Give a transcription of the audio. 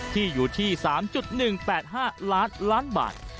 ที่อยู่ที่๓๑๘๕ล้านล้านบาท